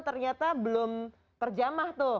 ternyata belum terjamah tuh